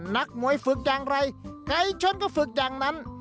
นักมวยฝึกอย่างไรไก่ชนก็ฝึกอย่างนั้น